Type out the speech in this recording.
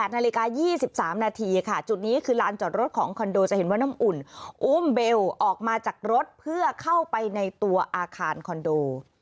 นาฬิกา๒๓นาทีค่ะจุดนี้คือลานจอดรถของคอนโดจะเห็นว่าน้ำอุ่นอุ้มเบลออกมาจากรถเพื่อเข้าไปในตัวอาคารคอนโด